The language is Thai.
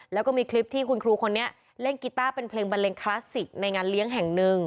แล้วก็มีคลิปที่คุณครูคนนี้เล่นกีต้าเป็นเพลงบันเลงคลาสสิกในงานเลี้ยงแห่งหนึ่ง